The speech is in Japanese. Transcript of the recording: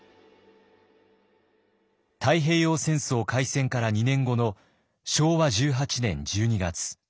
太平洋戦争開戦から２年後の昭和１８年１２月。